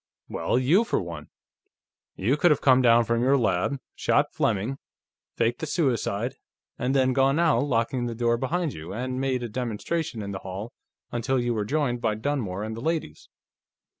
"Well, you, for one. You could have come down from your lab, shot Fleming, faked the suicide, and then gone out, locking the door behind you, and made a demonstration in the hall until you were joined by Dunmore and the ladies.